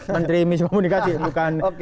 menteri miskomunikasi bukan